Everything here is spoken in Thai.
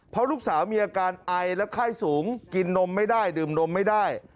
เพราะลูกสาวมีอาการไอและไข้สูงกินนมไม่ได้ดื่มนมไม่ได้